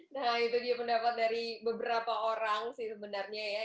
nah itu dia pendapat dari beberapa orang sih sebenarnya ya